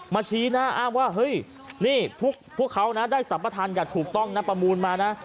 ชี้หน้าอ้างว่าเฮ้ยนี่พวกเขานะได้สัมปทานอย่างถูกต้องนะประมูลมานะ